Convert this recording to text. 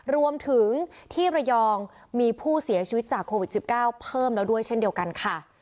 รวมถึงที่ระยองมีผู้เสียชีวิตจากโควิด๑๙เพิ่มแล้วด้วยเช่นเดียวกันค่ะ